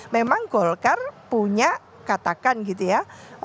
memang golkar punya katakan gitu ya